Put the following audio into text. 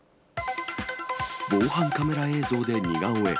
防犯カメラ映像で似顔絵。